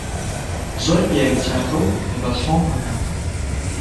زۆر پیاوی چاکە و لەگەڵ خۆمانە.